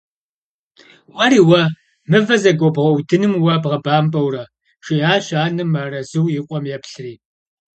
- Уэри уэ, мывэ зэгуэбгъэудыным уэ бгъэбампӏэурэ! – жиӏащ анэм мыарэзыуэ и къуэм еплъри.